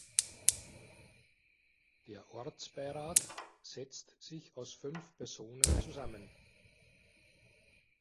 Der Ortsbeirat setzt sich aus fünf Personen zusammen.